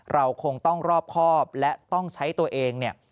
เราคงต้องรอบครอบและต้องใช้ตัวเองเนี่ย